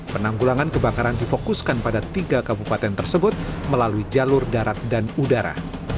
penanggulangan kebakaran difokuskan pada tiga kabupaten tersebut melalui jalur darat dan udara